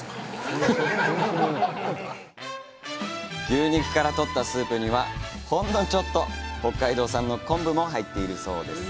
牛肉から取ったスープにはほんのちょっと北海道産の昆布も入っているそうです。